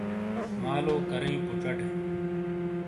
مالو کرئیں پُوچاٹے۔